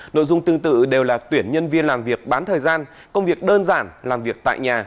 nội dung tương tự đều là tuyển nhân viên làm việc bán thời gian công việc đơn giản làm việc tại nhà